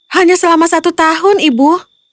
hanya selama satu tahun ibu